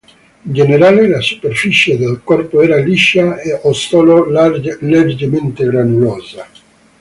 In generale, la superficie del corpo era liscia o solo leggermente granulosa.